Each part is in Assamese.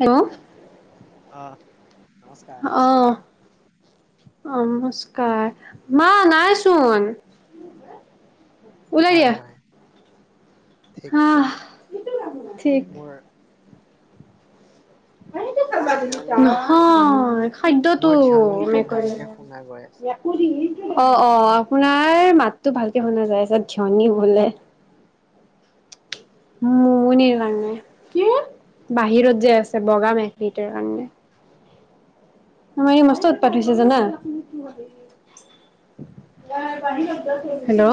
উম। অঁ। আহ অহ। না, নাইচোন। ওলাই দিয়া হয়-হয় হা ঠিক-ঠিক ঠিক মোৰ মোৰ ধ্বনিটো শুন নহয় খাদ্যতটো মোৰ ধ্বনিটো ভালকে শুনা গৈ আছে। অহ-অহ খুৰাৰ মাততো ভালকে শুনা জাই আছে, ঝনী বোলে। মুমনিৰ কাৰণে, কিয়? বাহিৰত যে আছে বগা মেখটাৰ কাৰণে। আমাৰ এই মস্ত উৎপাত হৈছে জানা? [unintelligible] হেল্ল'?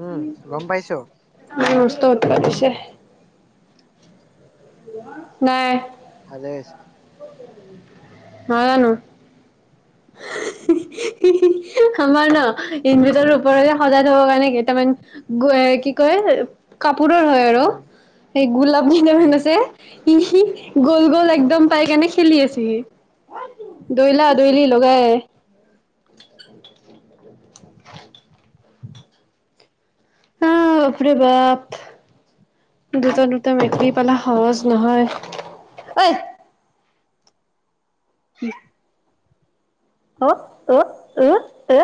উম গম পাইছো। মস্ত উৎপাত হৈছে। নাই ভালেই হৈছে। নাজানো। হি-হি-হি-হি আমাৰ ন? ইনভেটৰৰ ওপৰৰে সজাই থবৰ কি কয় কাপু কাপোৰৰ হয় আৰু উম, সেই গোলাপ কেইপামান উম, আছে ই সি গল-গল উম, একদম পাই কিনে খেলি আছে সি। দৈলা-দৈলি লগাই [inaudible] হয় বাহ পৰে বাপ দুটা-দুটা মেক্ৰি পালা সহজ নহয়। ঐ [inaudible] উ-উ-উ-উ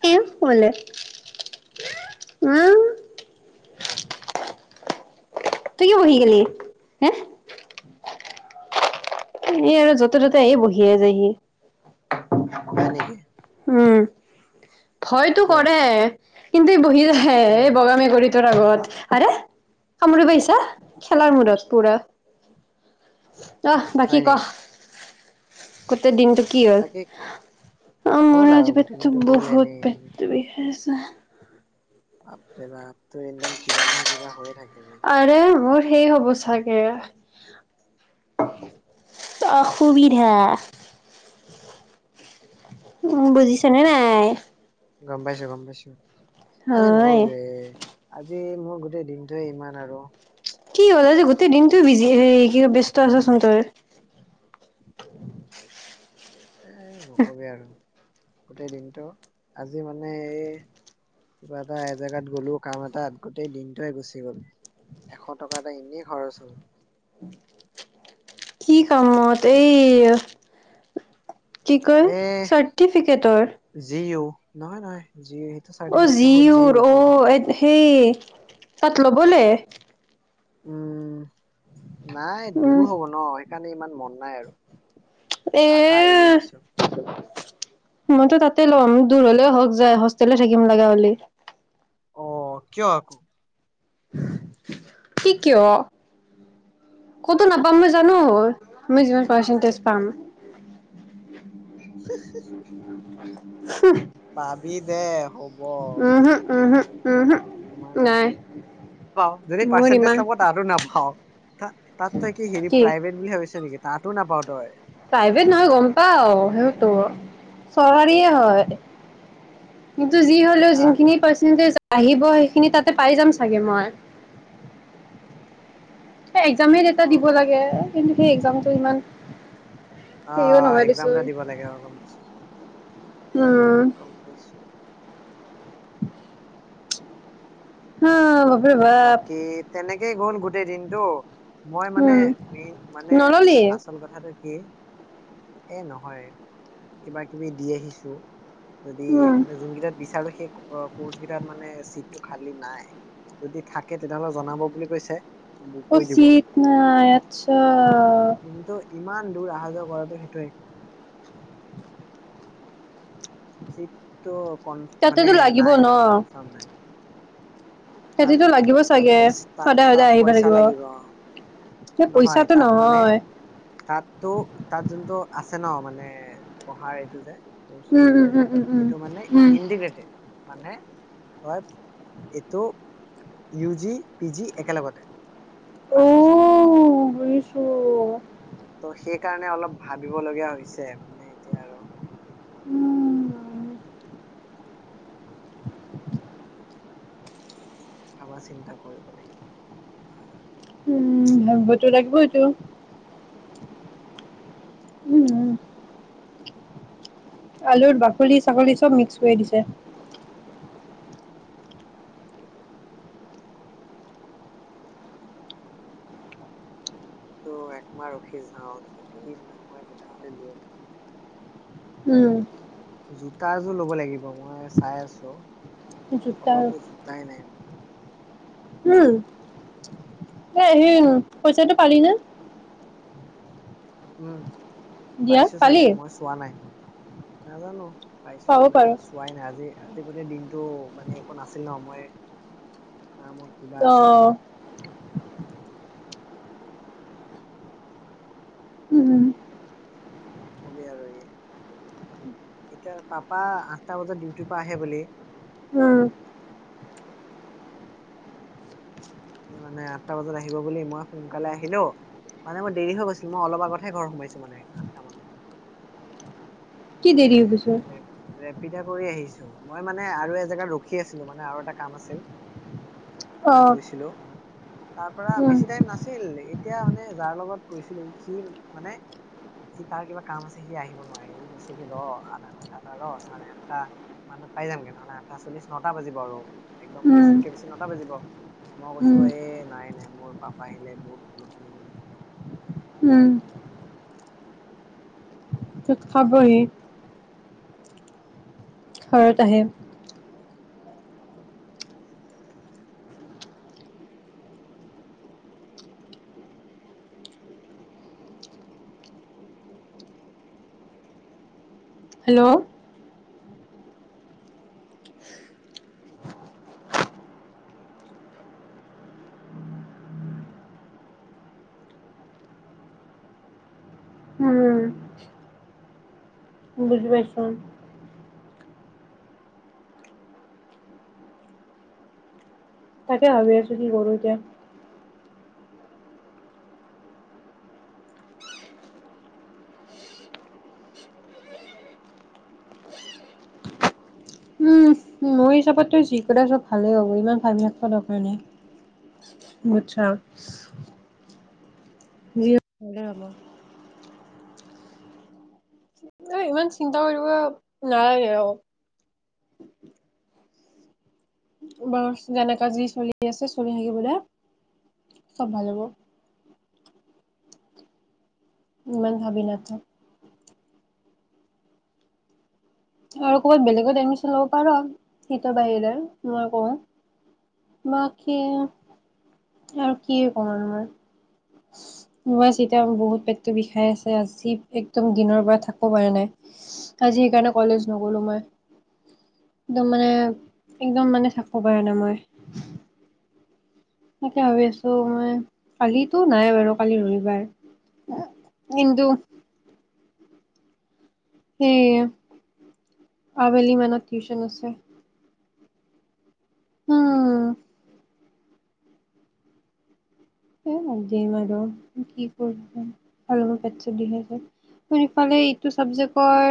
কি বলে। উম তুই কিয় বহি গেলি হে? এ আৰু য'তে-ত'তে এই বহিয়ে যায়হি। হয় নেকি? উম ভয়তো কিয় কৰে। কিন্তু ই বহি হে এ উম, বগা মেকুৰী টোৰ আগত, আৰে কামুৰিব আহিছা? খেলাৰ মূডত পুৰা। আহ বাকী হয় কহ? নেকি কতে দিনটো কি হ'ল বাকী অ মোৰ হ'ল আৰু আজি গোটেই পেটতো দিনটো গ'ল বহুত এনেই এনেই পেটতো বিষাইছে। বাপৰে বাপ। তো এনিটাইম কিবা নহয়, কিবা হৈয়ে থাকে। আৰে মোৰ সেই হ'ব চাগে। অসুবিধা। উ বুজিছ নে নাই? গম পাইছো, গম পাইছো। আজি নকৰো হয় যে আজি আজি মোৰ গোটেই দিনটোৱে ইমান আৰু কি হ'ল আজি গোটেই দিনটো বিজি কি ব্যস্ত আচছোন তই এ নকবি আৰু গোটেই দিনটো আজি মানে এই কিবা এটা এজেগাত গলো কাম এটাত গোটেই দিনটোৱে গুচি গ'ল এশ টকা এটা এনেই খৰচ হল। কি কামত এই কি কয় এ চাৰ্টিফিকেটৰ জিও নহয় নহয় জিঅ' সেইটো চাৰ্টিফিকেতটো হ'ল জিঅ' জিঅ' হেই তাত ল'বলে উম নাই উম দূৰ হব ন সেইকাৰণে ইমান মন নাই আৰু এ আশা এৰি দিছো মইতো তাতে লম, দূৰলে হওক যাই হোষ্টেলে থাকিম লগা হলি অ, কিয় আকৌ? কি কিয়, কতো নাপাম মই জানো মই যিমান পাৰ্চেন্টেজ পাম। [inaudible] [inaudible] পাবি দে হ'ব উমহো উমহো উমহো নাই [unintelligible] যদি মোৰ পাৰ্চেণ্টেজ ইমান নাপাও তাতো নাপাও, তাত তই কি হেৰি প্ৰাইভেট বুলি ভাবিছ নেকি? তাঁততো নাপাও তই প্ৰাইভেট নহয় গম পাঁও সেইটো, চৰকাৰীয়ে হয় যি হলেও হা যোনখিনি পাৰ্চেণ্টেজ আহিব সেইখিনি তাতে পাই যাম চাগে মই এক্সাম এটা অ দিব অ লাগে অ সেই এক্সাম টো ইমান হেৰিও অহ নহয় এক্সাম এটা দেচোন দিব লাগে অ গম পাইছো [unintelligible] উম গম পাইছোঁ [inaudible] হা বাপৰে উম বাপ বাকী তেনেকে কেই গল গোটেই দিনতটো মই মানে মেইন মানে নললি আচল কথাটো কি এ নহয় কিবা-কিবি দি আহিছো যদি, উম। মানে যোনকেইটাত বিচাৰো সেই কৰ্চ কেইটাত মানে ছিট টো খালী নাই যদি থাকে তেতিয়াহলে জনাব বুলি কৈছে মোক অ কৈ দিব ছিট নাই আচ্ছা অ কিন্তু ইমান দূৰ অহা-যোৱা কৰাটো সেইটোৱেই [unintelligible] [unintelligible] মানে তাতেতো লাগিব নাই আৰু কনফাৰ্ম নাই তাত তাতেটো লাগিব তাত চাগে, পইচা তাত তাত সদায়-সদায় আহিব পইচা লাগিব। অ এ নহয় পইচাটো তাত মানে নহয় তাতো তাত যোনটো আছে ন মানে পঢ়াৰ এইটো যে উম উম উম উম সেইটো মানে উম ইটিগ্ৰটেড। মানে হয় এইটো ইউ জি পি জি একেলগতে পাঁচ বছৰ শুনিছো? ত' সেইকাৰণে অলপ ভাবিবলগীয়া হৈছে মানে এতিয়া আৰু। উম ভাবা চিন্তা কৰিব লাগিব। উম ভাবিবতো লাগিব এইটো উম আলুৰ বাকলি ছাগলী চব মিক্স কৰি দিছে। ত' একমাহ ৰখি যাও যদি নহয় তেতিয়াহলে লম। উম জোতাযোৰ ল'ব লাগিব। ব মই চাই আছো জোতা অলপো জোতাই নাই মোৰ। উম এ সেই পইচাটো পালি ন। উম। দিয়া পাইছো পালি চাগে মই চোৱা নাই। নাজানো। পাইছো পাব নে নাই পাৰো চোৱাই নাই আজি। আজিকালি দিন। এইটো মানে একো নাছিল ন মই। নামৰ কিবা আছে। অ', উম উম নকবি আৰু এই এতিয়া পাপা আঠটা বজাত ডিউটিৰ পৰা আহে বুলি। উম মানে আঠটা বজাত আহিব বুলি মই সোনকালে আহিলো মানে মই দেৰি হৈ গৈছিল মই অলপ আগতহে ঘৰ সোমাইছো মানে আঠটা মানত। কি দেৰি হৈ গৈছে? [unintelligible] [unintelligible] কৰি আহিছো মই মানে আৰু এজেগাত ৰখি আছিলো মানে আৰু এটা কাম আছিল। তাত অ', গৈছিলো? তাৰ পৰা উম, বেছি টাইম নাছিল, এতিয়া মানে যাৰ লগত গৈছিলো, সি মানে, সি তাৰ কিবা কাম আছে সি আহিব নোৱাৰে, সি কৈছে কি, ৰ আধা ঘন্টা এটা ৰ। চাৰে-আঠটা মানত পাই যামগৈ। নহ'লে আঠটা-চল্লিশ, নটা বাজিব। আৰু একদম উম, বেছিতকে বেছি নটা বাজিব। মই কৈছো উম, এ নাই নাই, মোৰ পাপা আহিলে বহুত [unintelligible] উম, তৎ খাবহি ঘৰত আহে। হেল্ল'। উম, বুজি পাইছ? তাকে ভাবি আছো কি কৰো এতিয়া। উম, মোৰ হিচাপতো যি [unintelligible] চব ভালেই হ'ব, ইমান ভাবি থাকিবৰ দৰকাৰ নাই, বুজছা? যি হ'লেও ভালে হ'ব। এ ইমান চিন্তা কৰিব নালাগে আৰু। বাৰু যেনেকা যি চলি আছে, চলি থাকিব দে। চব ভাল হ'ব। ইমান ভাবি নাথাকো। আৰু ক'ৰবাত বেলেগত এডমিচন ল'ব পাৰ! সিটোৰ বাহিৰে, মই কওঁ। বাকী, আৰু কি ক'ম আৰু মই! মই [unintelligible] বহুত পেটটো বিষাই আছে, আজি একদম দিনৰ পৰা থাকব' পাৰা নাই। আজি সেইকাৰণে কলেজ নগ'লো মই। একদম মানে, একদম মানে থাকব' পাৰা নাই মই। তাকে ভাবি আছো মই, কালিটো নাই বাৰু কালি ৰবিবাৰ। কিন্তু। সেই, আবেলিমানত টিউচন আছে। উম। [unintelligible] নালগে, কি কম মই [unintelligible] মোৰ ইফালে ইটো চাবজেক্টৰ